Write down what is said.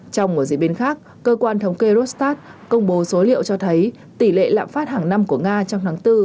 trong một diễn biến khác cơ quan thống kê rostat công bố số liệu cho thấy tỷ lệ lạm phát hàng năm của nga trong tháng bốn